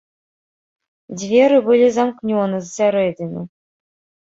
Дзверы былі замкнёны з сярэдзіны.